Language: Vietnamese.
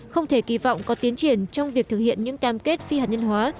không thể kỳ vọng có tiến triển trong việc thực hiện những cam kết phi hạt nhân hóa